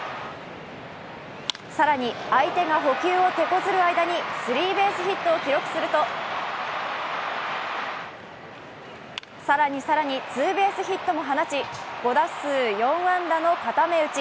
更に、相手が捕球をてこずる間にスリーベースヒットを記録すると更に更に、ツーベースヒットも放ち、５打数４安打の固め打ち。